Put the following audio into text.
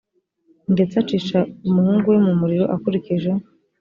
ndetse acisha umuhungu we mu muriro akurikije